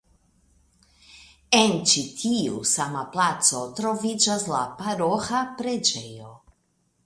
En ĉi tiu sama placo troviĝas la paroĥa preĝejo.